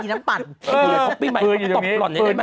ให้น้ำปั่นได้คลิปใหม่ต้องตบก่อน